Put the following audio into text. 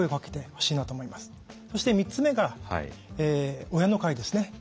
そして３つ目が親の会ですね。